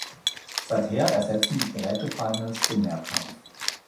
Seither ersetzen die Gerätefinals den Mehrkampf.